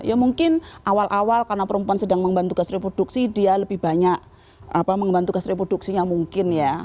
ya mungkin awal awal karena perempuan sedang membantu gas reproduksi dia lebih banyak membantu gas reproduksinya mungkin ya